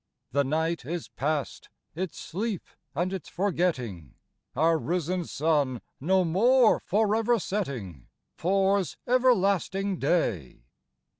The night is past, — its sleep and its forgetting : Our risen sun, no more forever setting, Pours everlasting day.